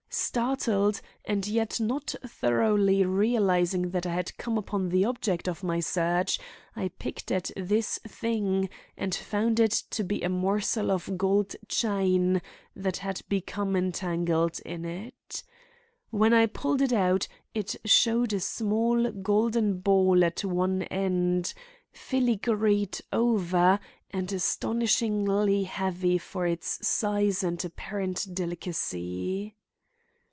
Startled, and yet not thoroughly realizing that I had come upon the object of my search, I picked at this thing and found it to be a morsel of gold chain that had become entangled in it. When I had pulled it out, it showed a small golden ball at one end, filigreed over and astonishingly heavy for its size and apparent delicacy.